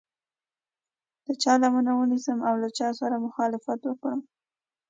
د چا لمنه ونیسم او له چا سره مخالفت وکړم.